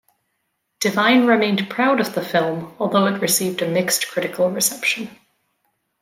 Divine remained proud of the film, although it received a mixed critical reception.